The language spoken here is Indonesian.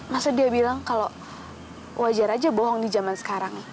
masa dia bilang kalau wajar aja bohong di zaman sekarang